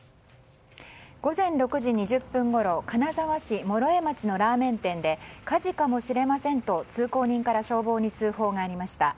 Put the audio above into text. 午前６時２０分ごろ金沢市諸江町のラーメン店で火事かもしれませんと通行人から消防に通報がありました。